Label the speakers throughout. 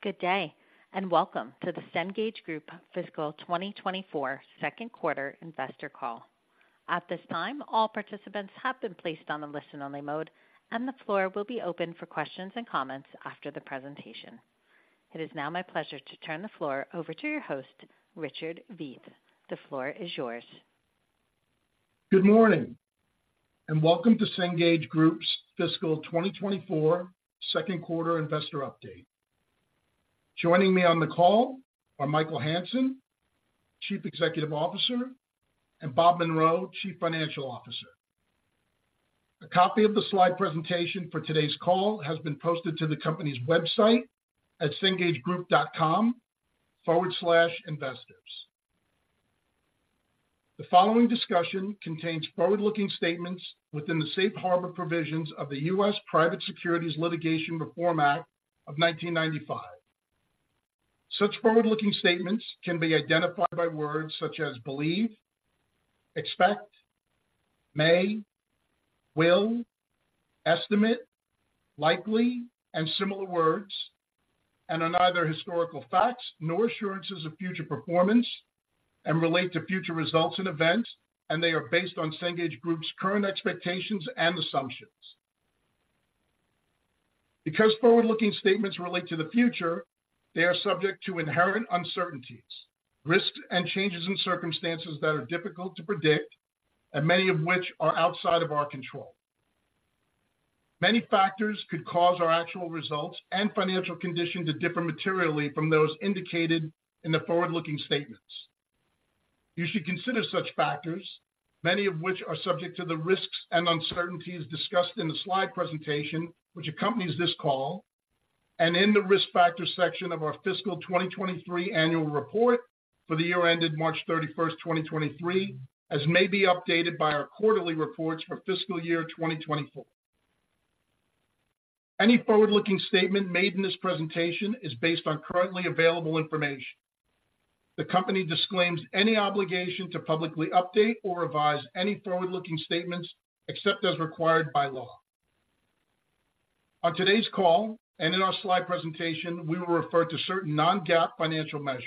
Speaker 1: Good day, and welcome to the Cengage Group fiscal 2024 second quarter investor call. At this time, all participants have been placed on a listen-only mode, and the floor will be open for questions and comments after the presentation. It is now my pleasure to turn the floor over to your host, Richard Veith. The floor is yours.
Speaker 2: Good morning, and welcome to Cengage Group's Fiscal 2024 second quarter investor update. Joining me on the call are Michael Hansen, Chief Executive Officer, and Bob Munro, Chief Financial Officer. A copy of the slide presentation for today's call has been posted to the company's website at cengagegroup.com/investors. The following discussion contains forward-looking statements within the Safe Harbor provisions of the U.S. Private Securities Litigation Reform Act of 1995. Such forward-looking statements can be identified by words such as believe, expect, may, will, estimate, likely, and similar words, and are neither historical facts nor assurances of future performance and relate to future results and events, and they are based on Cengage Group's current expectations and assumptions. Because forward-looking statements relate to the future, they are subject to inherent uncertainties, risks, and changes in circumstances that are difficult to predict, and many of which are outside of our control. Many factors could cause our actual results and financial conditions to differ materially from those indicated in the forward-looking statements. You should consider such factors, many of which are subject to the risks and uncertainties discussed in the slide presentation which accompanies this call, and in the Risk Factors section of our Fiscal 2023 Annual Report for the year ended March 31, 2023, as may be updated by our quarterly reports for fiscal year 2024. Any forward-looking statement made in this presentation is based on currently available information. The company disclaims any obligation to publicly update or revise any forward-looking statements, except as required by law. On today's call and in our slide presentation, we will refer to certain non-GAAP financial measures.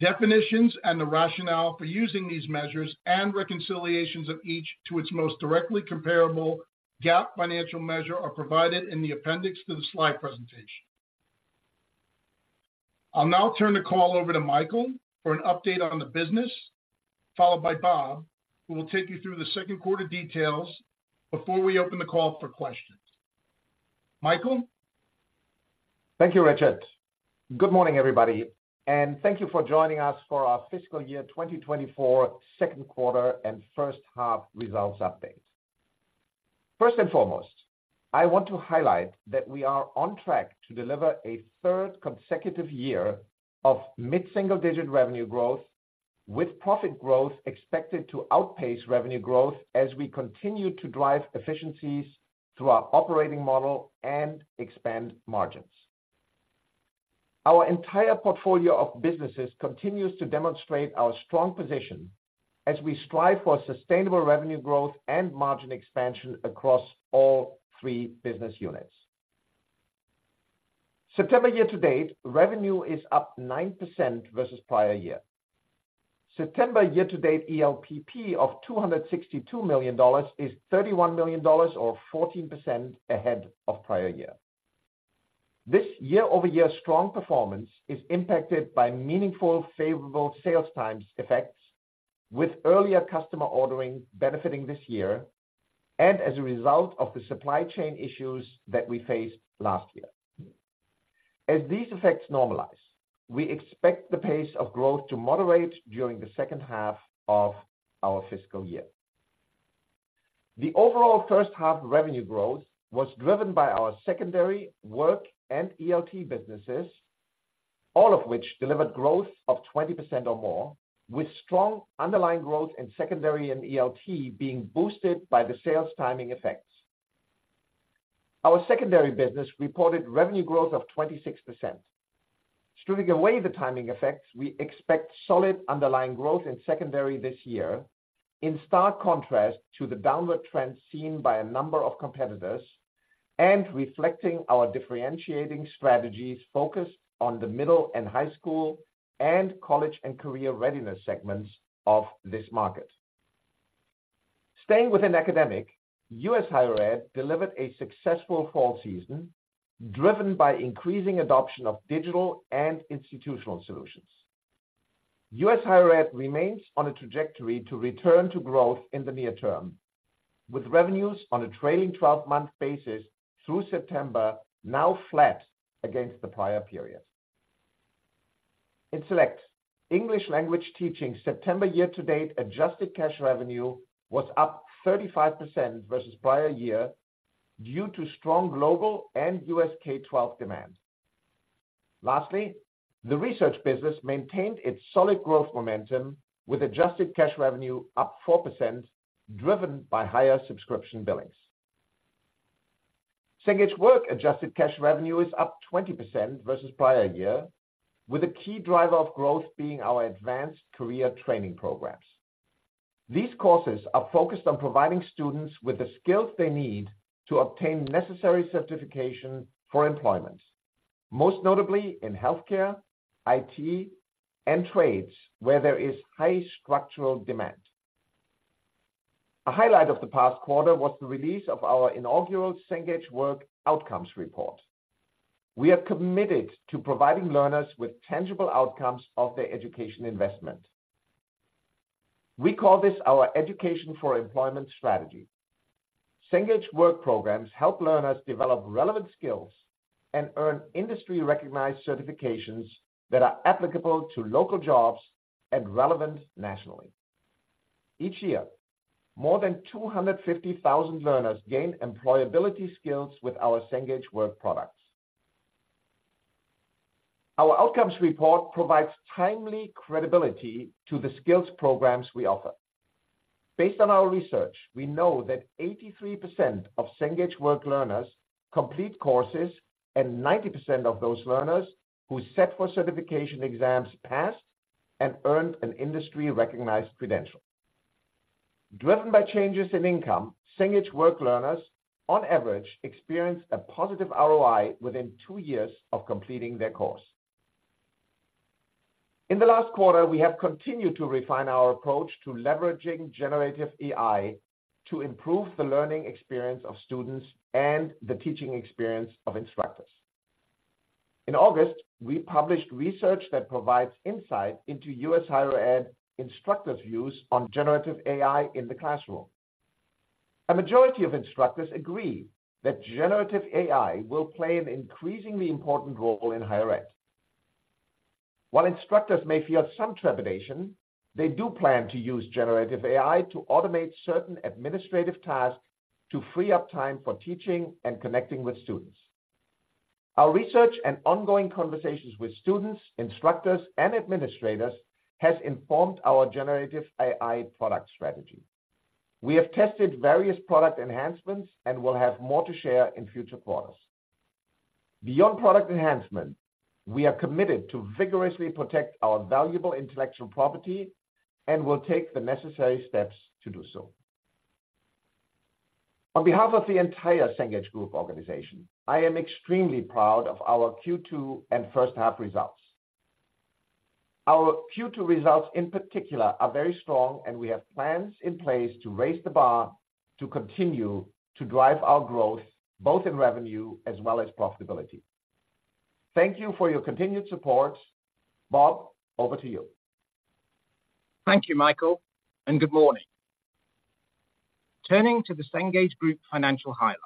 Speaker 2: Definitions and the rationale for using these measures and reconciliations of each to its most directly comparable GAAP financial measure are provided in the appendix to the slide presentation. I'll now turn the call over to Michael for an update on the business, followed by Bob, who will take you through the second quarter details before we open the call for questions. Michael?
Speaker 3: Thank you, Richard. Good morning, everybody, and thank you for joining us for our fiscal year 2024 second quarter and first half results update. First and foremost, I want to highlight that we are on track to deliver a third consecutive year of mid-single-digit revenue growth, with profit growth expected to outpace revenue growth as we continue to drive efficiencies through our operating model and expand margins. Our entire portfolio of businesses continues to demonstrate our strong position as we strive for sustainable revenue growth and margin expansion across all three business units. September year-to-date, revenue is up 9% versus prior year. September year-to-date ELPP of $262 million is $31 million, or 14%, ahead of prior year. This year-over-year strong performance is impacted by meaningful favorable sales timing effects, with earlier customer ordering benefiting this year and as a result of the supply chain issues that we faced last year. As these effects normalize, we expect the pace of growth to moderate during the second half of our fiscal year. The overall first half revenue growth was driven by our Secondary, Work, and ELT businesses, all of which delivered growth of 20% or more, with strong underlying growth in Secondary and ELT being boosted by the sales timing effects. Our Secondary business reported revenue growth of 26%. Stripping away the timing effects, we expect solid underlying growth in Secondary this year, in stark contrast to the downward trend seen by a number of competitors and reflecting our differentiating strategies focused on the middle and high school and college and career readiness segments of this market. U.S. Higher Ed delivered a successful fall season, driven by increasing adoption of U.S. Higher Ed remains on a trajectory to return to growth in the near term, with revenues on a trailing 12-month basis through September now flat against the prior period. In Select, English Language Teaching, September year-to-date adjusted cash revenue was up 35% versus prior year due to strong global and U.S. K-12 demand. Lastly, the Research business maintained its solid growth momentum, with adjusted cash revenue up 4%, driven by higher subscription billings. Cengage Work adjusted cash revenue is up 20% versus prior year, with a key driver of growth being our Advanced Career Training programs. These courses are focused on providing students with the skills they need to obtain necessary certification for employment, most notably in Healthcare, IT, and Trades, where there is high structural demand. A highlight of the past quarter was the release of our inaugural Cengage Work Outcomes Report. We are committed to providing learners with tangible outcomes of their education investment. We call this our Education for Employment strategy. Cengage Work programs help learners develop relevant skills and earn industry-recognized certifications that are applicable to local jobs and relevant nationally. Each year, more than 250,000 learners gain employability skills with our Cengage Work products. Our outcomes report provides timely credibility to the skills programs we offer. Based on our Research, we know that 83% of Cengage Work learners complete courses, and 90% of those learners who sat for certification exams passed and earned an industry-recognized credential. Driven by changes in income, Cengage Work learners, on average, experience a positive ROI within two years of completing their course. In the last quarter, we have continued to refine our approach to leveraging generative AI to improve the learning experience of students and the teaching experience of instructors. In August, we published Research that provides insight into U.S. Higher Ed instructors' views on generative AI in the classroom. A majority of instructors agree that generative AI will play an increasingly important role in higher ed. While instructors may feel some trepidation, they do plan to use generative AI to automate certain administrative tasks to free up time for teaching and connecting with students. Our Research and ongoing conversations with students, instructors, and administrators has informed our generative AI product strategy. We have tested various product enhancements and will have more to share in future quarters. Beyond product enhancement, we are committed to vigorously protect our valuable intellectual property and will take the necessary steps to do so. On behalf of the entire Cengage Group organization, I am extremely proud of our Q2 and first half results. Our Q2 results, in particular, are very strong, and we have plans in place to raise the bar to continue to drive our growth, both in revenue as well as profitability. Thank you for your continued support. Bob, over to you.
Speaker 4: Thank you, Michael, and good morning. Turning to the Cengage Group financial highlights.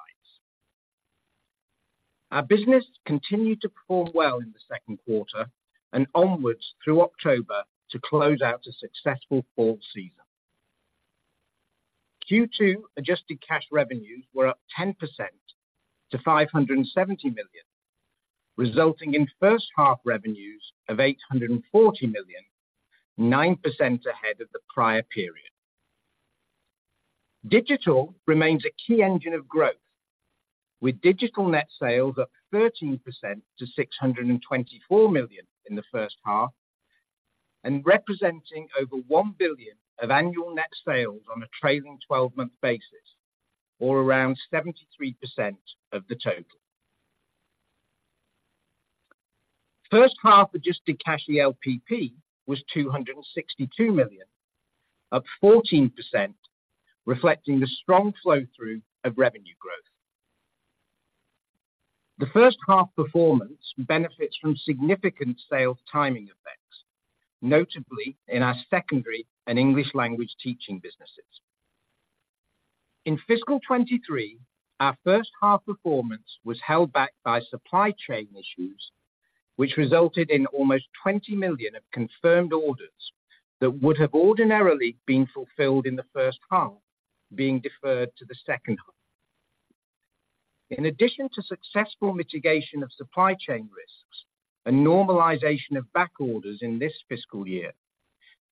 Speaker 4: Our business continued to perform well in the second quarter and onwards through October to close out a successful fall season. Q2 adjusted cash revenues were up 10% to $570 million, resulting in first half revenues of $840 million, 9% ahead of the prior period. Digital remains a key engine of growth, with digital net sales up 13% to $624 million in the first half and representing over $1 billion of annual net sales on a trailing 12-month basis, or around 73% of the total. First half adjusted cash ELPP was $262 million, up 14%, reflecting the strong flow-through of revenue growth. The first half performance benefits from significant sales timing effects, notably in our Secondary and English language teaching businesses. In fiscal 2023, our first half performance was held back by supply chain issues, which resulted in almost $20 million of confirmed orders that would have ordinarily been fulfilled in the first half, being deferred to the second half. In addition to successful mitigation of supply chain risks and normalization of back orders in this fiscal year,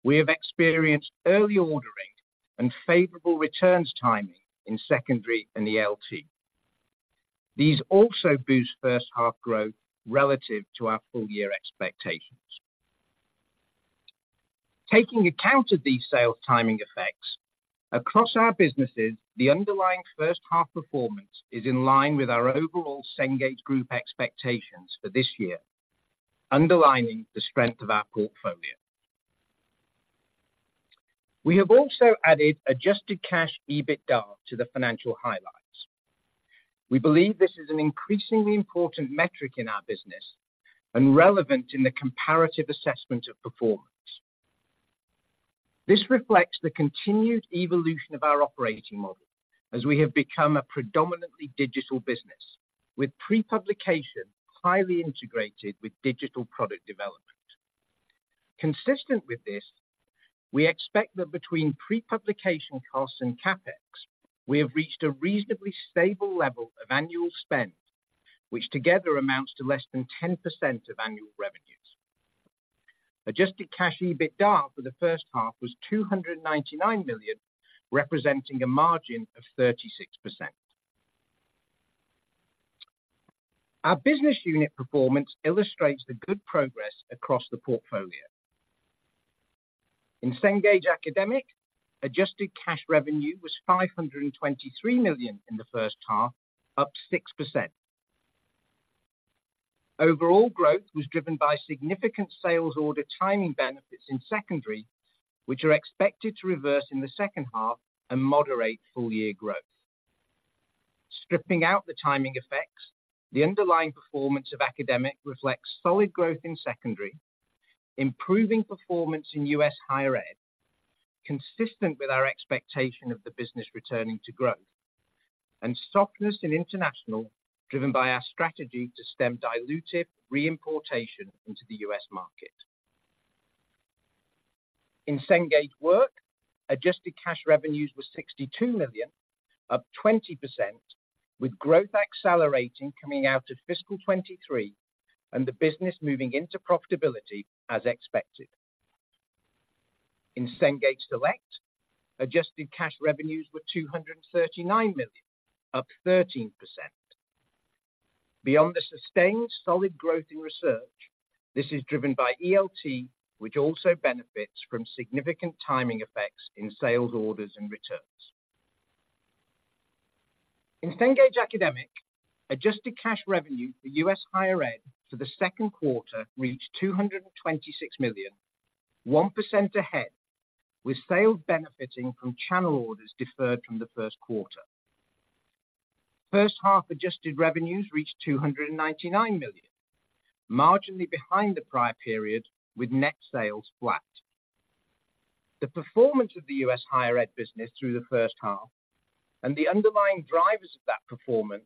Speaker 4: we have experienced early ordering and favorable returns timing in Secondary and ELT. These also boost first half growth relative to our full year expectations. Taking account of these sales timing effects, across our businesses, the underlying first half performance is in line with our overall Cengage Group expectations for this year, underlining the strength of our portfolio. We have also added adjusted cash EBITDA to the financial highlights. We believe this is an increasingly important metric in our business and relevant in the comparative assessment of performance. This reflects the continued evolution of our operating model as we have become a predominantly digital business, with pre-publication highly integrated with digital product development. Consistent with this, we expect that between pre-publication costs and CapEx, we have reached a reasonably stable level of annual spend, which together amounts to less than 10% of annual revenues. Adjusted cash EBITDA for the first half was $299 million, representing a margin of 36%. Our business unit performance illustrates the good progress across the portfolio. In Cengage Academic, adjusted cash revenue was $523 million in the first half, up 6%. Overall growth was driven by significant sales order timing benefits in Secondary, which are expected to reverse in the second half and moderate full-year growth. Stripping out the timing effects, the underlying performance of Cengage Academic reflects solid growth in U.S. Higher Ed, consistent with our expectation of the business returning to growth, and softness in international, driven by our strategy to stem dilutive reimportation into the U.S. market. In Cengage Work, adjusted cash revenues were $62 million, up 20%, with growth accelerating coming out of fiscal 2023, and the business moving into profitability as expected. In Cengage Select, adjusted cash revenues were $239 million, up 13%. Beyond the sustained solid growth in Research, this is driven by ELT, which also benefits from significant timing effects in sales orders and returns. In Cengage Academic, U.S. Higher Ed for the second quarter reached $226 million, 1% ahead, with sales benefiting from channel orders deferred from the first quarter. First half adjusted revenues reached $299 million, marginally behind the prior period, with net sales flat. U.S. Higher Ed business through the first half, and the underlying drivers of that performance,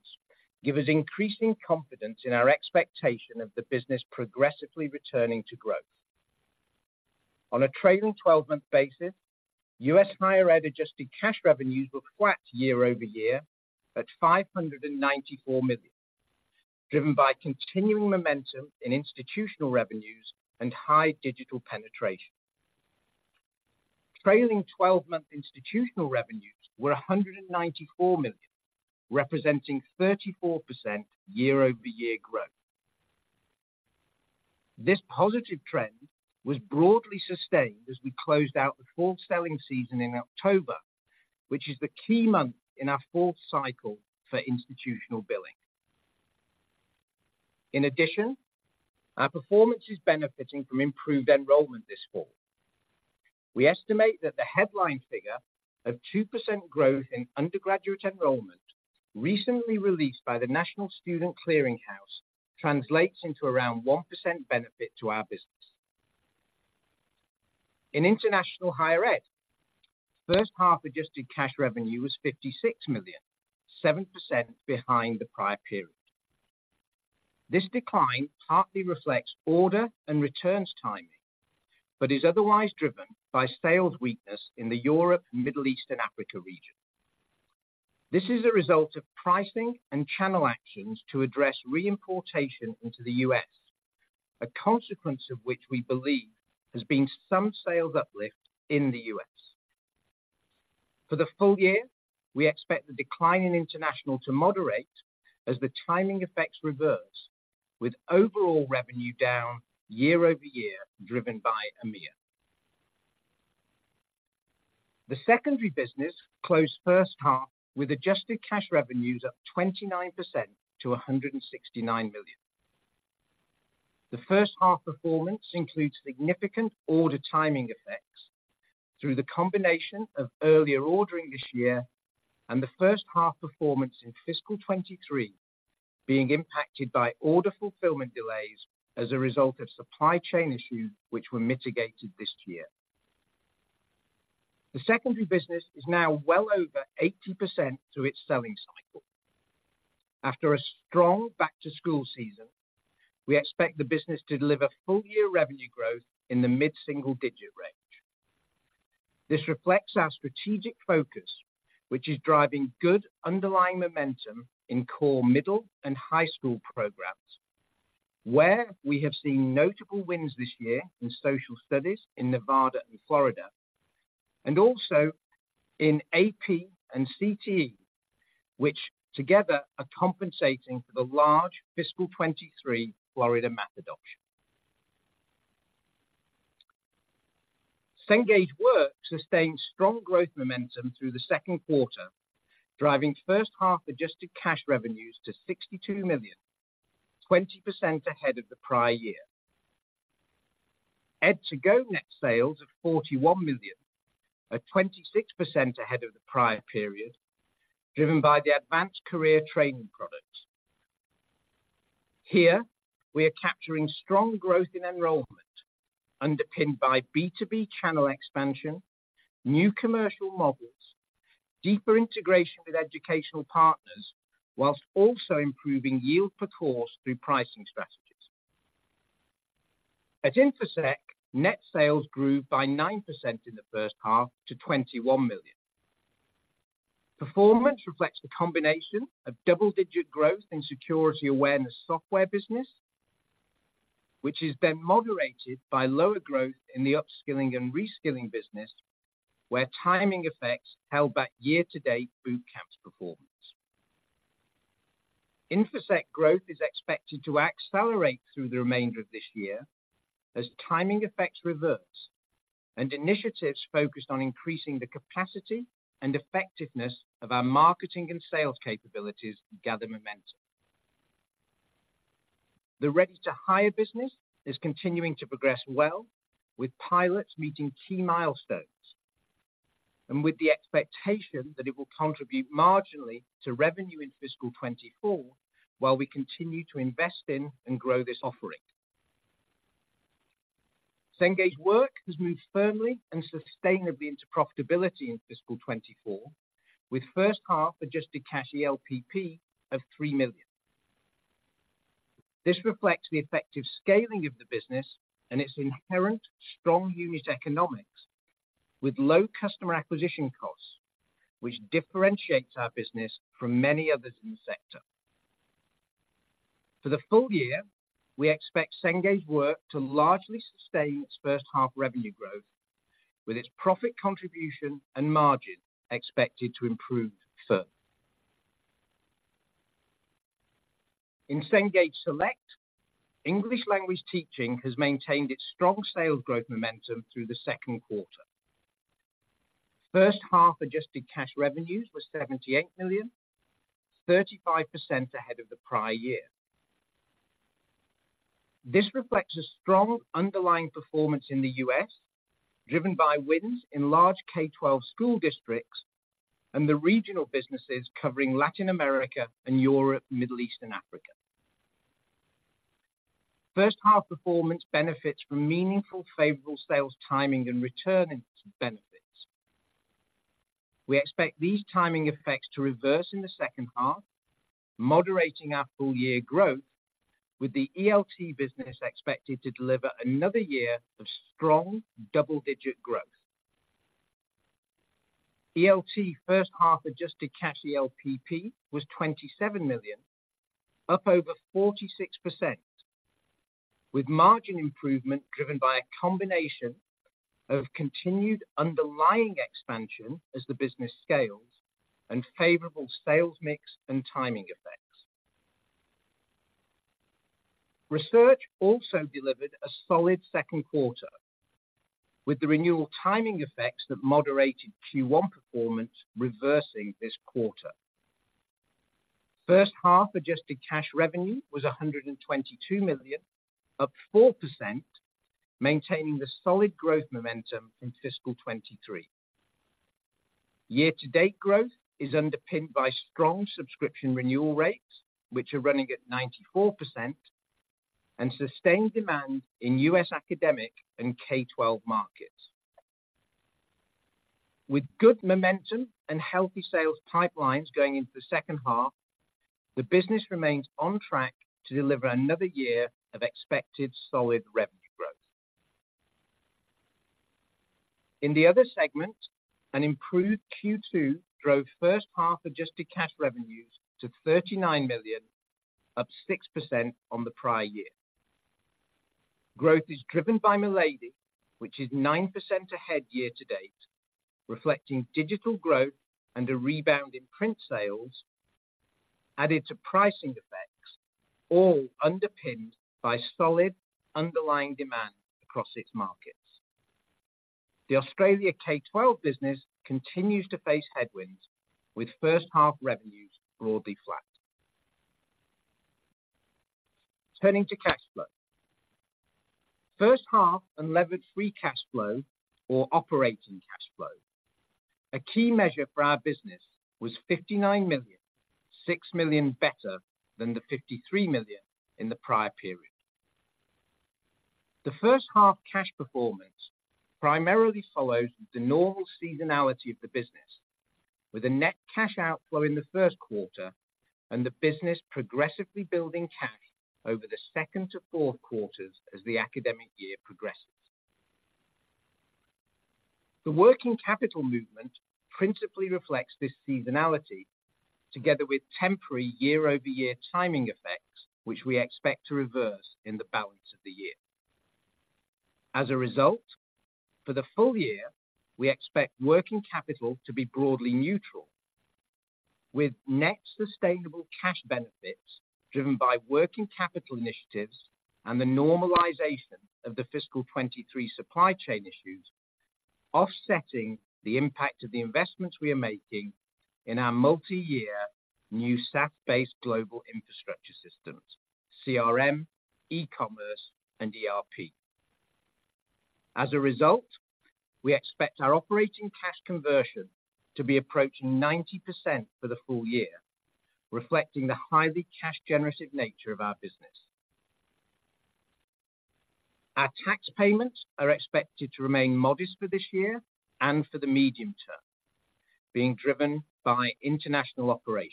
Speaker 4: give us increasing confidence in our expectation of the business progressively returning to growth. On U.S. Higher Ed adjusted cash revenues were flat year-over-year, at $594 million, driven by continuing momentum in institutional revenues and high digital penetration. Trailing 12-month institutional revenues were $194 million, representing 34% year-over-year growth. This positive trend was broadly sustained as we closed out the fall selling season in October, which is the key month in our fourth cycle for institutional billing. In addition, our performance is benefiting from improved enrollment this fall. We estimate that the headline figure of 2% growth in undergraduate enrollment, recently released by the National Student Clearinghouse, translates into around 1% benefit to our business. In International Higher Ed, first half adjusted cash revenue was $56 million, 7% behind the prior period. This decline partly reflects order and returns timing, but is otherwise driven by sales weakness in the Europe, Middle East, and Africa region. This is a result of pricing and channel actions to address reimportation into the U.S., a consequence of which we believe has been some sales uplift in the U.S. For the full year, we expect the decline in international to moderate as the timing effects reverse, with overall revenue down year-over-year, driven by EMEA. The Secondary business closed first half with adjusted cash revenues up 29% to $169 million. The first half performance includes significant order timing effects through the combination of earlier ordering this year and the first half performance in fiscal 2023 being impacted by order fulfillment delays as a result of supply chain issues, which were mitigated this year. The Secondary business is now well over 80% through its selling cycle. After a strong back-to-school season, we expect the business to deliver full-year revenue growth in the mid-single digit range. This reflects our strategic focus, which is driving good underlying momentum in core middle and high school programs, where we have seen notable wins this year in social studies in Nevada and Florida, and also in AP and CTE, which together are compensating for the large fiscal 2023 Florida math adoption. Cengage Work sustained strong growth momentum through the second quarter, driving first half adjusted cash revenues to $62 million, 20% ahead of the prior year. Ed2go net sales of $41 million are 26% ahead of the prior period, driven by the advanced career training products. Here, we are capturing strong growth in enrollment, underpinned by B2B channel expansion, new commercial models, deeper integration with educational partners, while also improving yield per course through pricing strategies. At Infosec, net sales grew by 9% in the first half to $21 million. Performance reflects the combination of double-digit growth in security awareness software business, which has then moderated by lower growth in the upskilling and reskilling business, where timing effects held back year-to-date bootcamps performance. Infosec growth is expected to accelerate through the remainder of this year, as timing effects reverse, and initiatives focused on increasing the capacity and effectiveness of our marketing and sales capabilities gather momentum. The Ready to Hire business is continuing to progress well, with pilots meeting key milestones, and with the expectation that it will contribute marginally to revenue in fiscal 2024, while we continue to invest in and grow this offering. Cengage Work has moved firmly and sustainably into profitability in fiscal 2024, with first half adjusted cash ELPP of $3 million. This reflects the effective scaling of the business and its inherent strong unit economics, with low customer acquisition costs, which differentiates our business from many others in the sector. For the full year, we expect Cengage Work to largely sustain its first half revenue growth, with its profit contribution and margin expected to improve further. In Cengage Select, English Language Teaching has maintained its strong sales growth momentum through the second quarter. First half adjusted cash revenues were $78 million, 35% ahead of the prior year. This reflects a strong underlying performance in the U.S., driven by wins in large K-12 school districts and the regional businesses covering Latin America and Europe, Middle East, and Africa. First half performance benefits from meaningful favorable sales timing and return in benefits. We expect these timing effects to reverse in the second half, moderating our full-year growth, with the ELT business expected to deliver another year of strong, double-digit growth. ELT first half adjusted cash LPP was $27 million, up over 46%, with margin improvement driven by a combination of continued underlying expansion as the business scales and favorable sales mix and timing effects. Research also delivered a solid second quarter, with the renewal timing effects that moderated Q1 performance reversing this quarter. First half adjusted cash revenue was $122 million, up 4%, maintaining the solid growth momentum in fiscal 2023. Year-to-date growth is underpinned by strong subscription renewal rates, which are running at 94%, and sustained demand in U.S. academic and K-12 markets. With good momentum and healthy sales pipelines going into the second half, the business remains on track to deliver another year of expected solid revenue growth. In the other segments, an improved Q2 drove first half adjusted cash revenues to $39 million, up 6% on the prior year. Growth is driven by Milady, which is 9% ahead year to date, reflecting digital growth and a rebound in print sales added to pricing effects, all underpinned by solid underlying demand across its markets. The Australia K-12 business continues to face headwinds, with first half revenues broadly flat. Turning to cash flow, first half unlevered free cash flow or operating cash flow, a key measure for our business was $59 million, $6 million better than the $53 million in the prior period. The first half cash performance primarily follows the normal seasonality of the business, with a net cash outflow in the first quarter and the business progressively building cash over the second to fourth quarters as the academic year progresses. The working capital movement principally reflects this seasonality, together with temporary year-over-year timing effects, which we expect to reverse in the balance of the year. As a result, for the full year, we expect working capital to be broadly neutral, with net sustainable cash benefits driven by working capital initiatives and the normalization of the fiscal 2023 supply chain issues, offsetting the impact of the investments we are making in our multi-year new SaaS-based global infrastructure systems, CRM, e-commerce, and ERP. As a result, we expect our operating cash conversion to be approaching 90% for the full year, reflecting the highly cash generative nature of our business. Our tax payments are expected to remain modest for this year and for the medium term, being driven by international operations.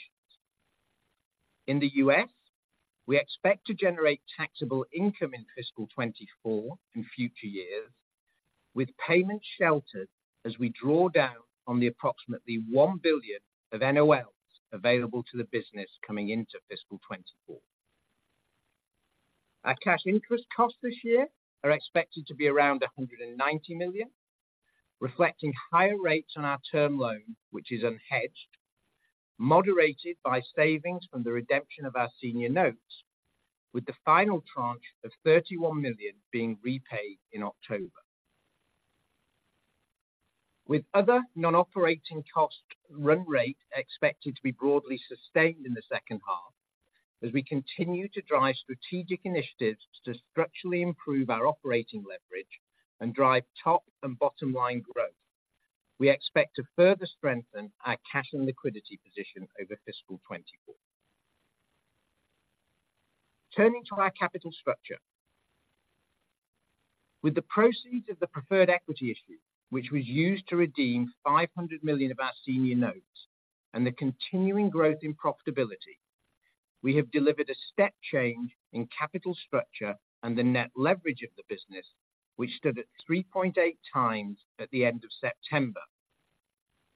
Speaker 4: In the U.S., we expect to generate taxable income in fiscal 2024 and future years with payments sheltered as we draw down on the approximately $1 billion of NOLs available to the business coming into fiscal 2024. Our cash interest costs this year are expected to be around $190 million, reflecting higher rates on our term loan, which is unhedged, moderated by savings from the redemption of our senior notes, with the final tranche of $31 million being repaid in October. With other non-operating cost run rate expected to be broadly sustained in the second half, as we continue to drive strategic initiatives to structurally improve our operating leverage and drive top and bottom-line growth, we expect to further strengthen our cash and liquidity position over fiscal 2024. Turning to our capital structure. With the proceeds of the preferred equity issue, which was used to redeem $500 million of our senior notes and the continuing growth in profitability, we have delivered a step change in capital structure and the net leverage of the business, which stood at 3.8x at the end of September.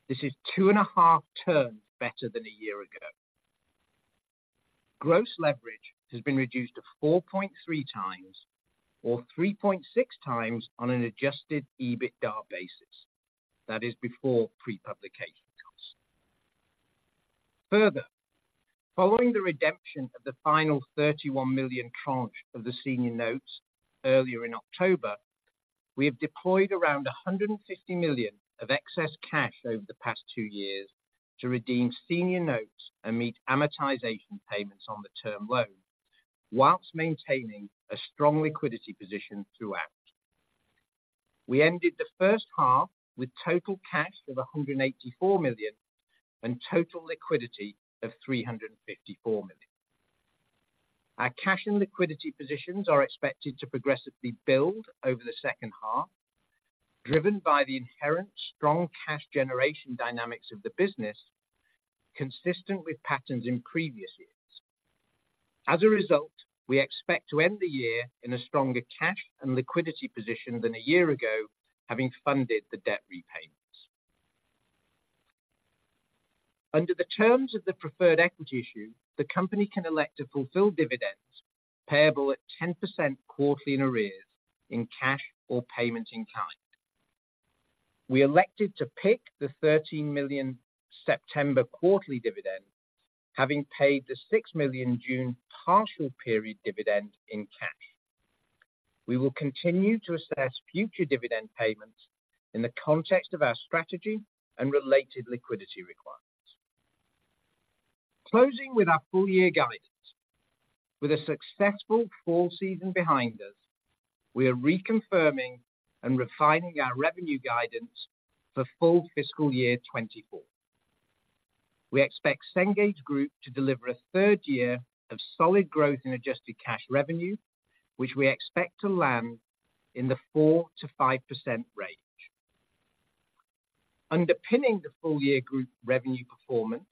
Speaker 4: This is 2.5 turns better than a year ago. Gross leverage has been reduced to 4.3x or 3.6x on an adjusted EBITDA basis. That is before pre-publication costs. Further, following the redemption of the final $31 million tranche of the senior notes earlier in October, we have deployed around $150 million of excess cash over the past two years to redeem senior notes and meet amortization payments on the term loan, while maintaining a strong liquidity position throughout. We ended the first half with total cash of $184 million and total liquidity of $354 million. Our cash and liquidity positions are expected to progressively build over the second half, driven by the inherent strong cash generation dynamics of the business, consistent with patterns in previous years. As a result, we expect to end the year in a stronger cash and liquidity position than a year ago, having funded the debt repayments. Under the terms of the preferred equity issue, the company can elect to fulfill dividends payable at 10% quarterly in arrears, in cash or payments in kind. We elected to pick the $13 million September quarterly dividend, having paid the $6 million June partial period dividend in cash. We will continue to assess future dividend payments in the context of our strategy and related liquidity requirements. Closing with our full-year guidance. With a successful fall season behind us, we are reconfirming and refining our revenue guidance for full fiscal year 2024. We expect Cengage Group to deliver a third year of solid growth in adjusted cash revenue, which we expect to land in the 4%-5% range. Underpinning the full-year group revenue performance,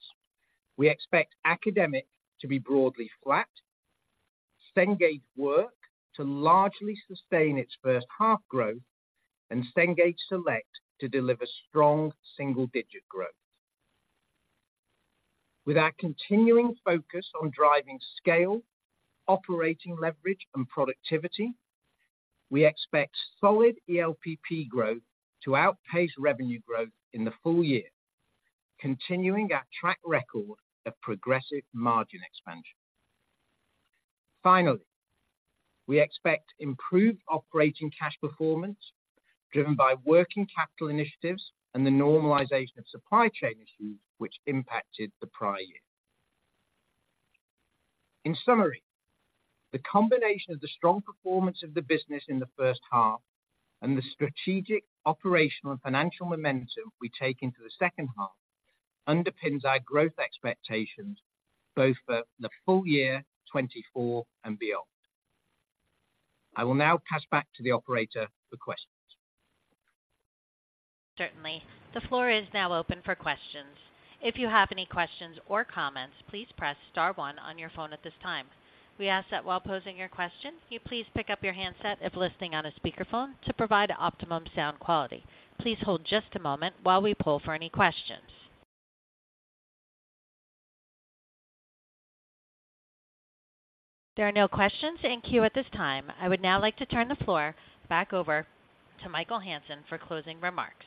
Speaker 4: we expect Academic to be broadly flat, Cengage Work to largely sustain its first half growth, and Cengage Select to deliver strong single-digit growth. With our continuing focus on driving scale, operating leverage, and productivity, we expect solid ELPP growth to outpace revenue growth in the full year, continuing our track record of progressive margin expansion. Finally, we expect improved operating cash performance, driven by working capital initiatives and the normalization of supply chain issues which impacted the prior year. In summary, the combination of the strong performance of the business in the first half and the strategic, operational, and financial momentum we take into the second half underpins our growth expectations both for the full year 2024 and beyond. I will now pass back to the operator for questions.
Speaker 1: Certainly. The floor is now open for questions. If you have any questions or comments, please press star one on your phone at this time. We ask that while posing your question, you please pick up your handset if listening on a speakerphone to provide optimum sound quality. Please hold just a moment while we poll for any questions. There are no questions in queue at this time. I would now like to turn the floor back over to Michael Hansen for closing remarks.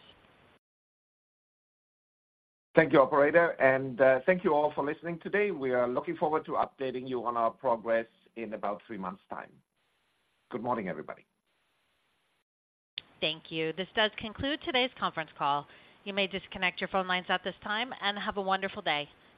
Speaker 4: Thank you, operator, and thank you all for listening today. We are looking forward to updating you on our progress in about three months' time. Good morning, everybody.
Speaker 1: Thank you. This does conclude today's conference call. You may disconnect your phone lines at this time and have a wonderful day.